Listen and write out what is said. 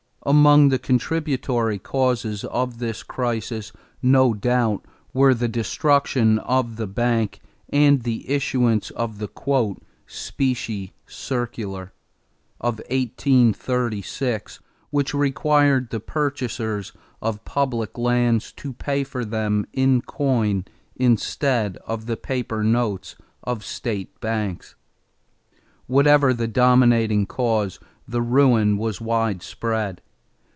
Among the contributory causes of this crisis, no doubt, were the destruction of the bank and the issuance of the "specie circular" of 1836 which required the purchasers of public lands to pay for them in coin, instead of the paper notes of state banks. Whatever the dominating cause, the ruin was widespread.